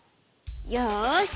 よし！